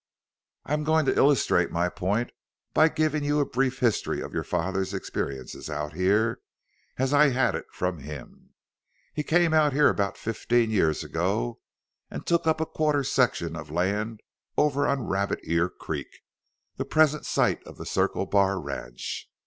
"I am going to illustrate my point by giving you a brief history of your father's experiences out here as I had it from him. He came out here about fifteen years ago and took up a quarter section of land over on Rabbit Ear Creek, the present site of the Circle Bar ranch.